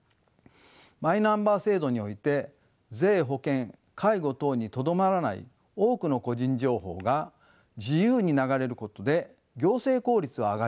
マイナンバー制度において税保険介護等にとどまらない多くの個人情報が自由に流れることで行政効率は上がります。